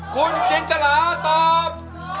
คุณจิรจนราตอบ